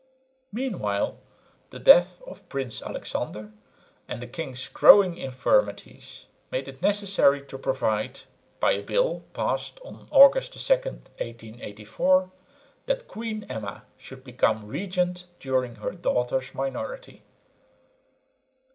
Meanwhile the death of Prince Alexander and the king's growing infirmities made it necessary to provide, by a bill passed on August 2,1884, that Queen Emma should become regent during her daughter's minority.